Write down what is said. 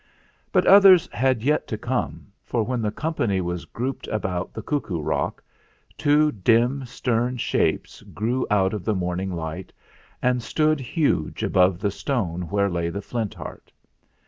But others had yet to come, for when the company was grouped about the "Cuckoo "GOOD BYE, FLINT HEART!" 329 Rock" two dim stern shapes grew out of the morning light and stood huge above the stone where lay the Flint Heart.